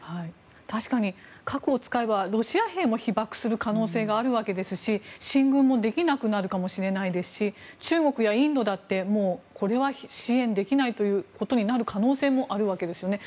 確かに核を使えばロシア兵も被爆する可能性があるわけですし進軍できなくなるかもしれないですし中国やインドだってこれは支援できないという可能性もあるわけですよね。